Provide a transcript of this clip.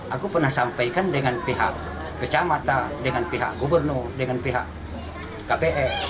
aku pernah sampaikan dengan pihak kecamatan dengan pihak gubernur dengan pihak kpr